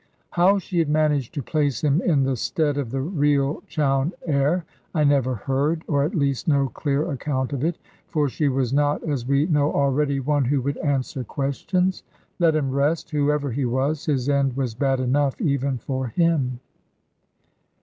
How she had managed to place him in the stead of the real Chowne heir, I never heard, or at least no clear account of it; for she was not (as we know already) one who would answer questions. Let him rest, whoever he was. His end was bad enough, even for him.